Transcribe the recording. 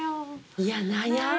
いや悩む。